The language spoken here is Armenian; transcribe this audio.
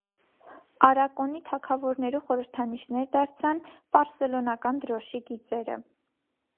Արակոնի թագաւորներու խորհրդանիշեր դարձան պարսելոնական դրօշի գիծերը։